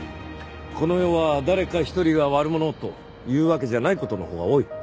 この世は誰か一人が悪者というわけじゃない事のほうが多い。